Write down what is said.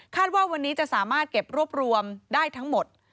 ว่าวันนี้จะสามารถเก็บรวบรวมได้ทั้งหมด